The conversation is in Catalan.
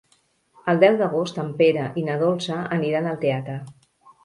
El deu d'agost en Pere i na Dolça aniran al teatre.